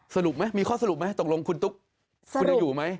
สรุปไหมมีข้อสรุปไหมตกลงคุณตุ๊กคุณยังอยู่ไหม